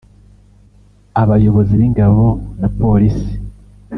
abayobozi b’ingabo na Polisi